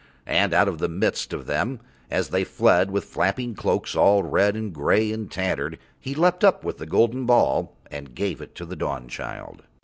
And out of the midst of them, as they fled with flapping cloaks all red and grey and tattered, he leapt up with the golden ball and gave it to the Dawnchild.